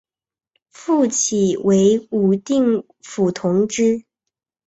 复起为武定府同知。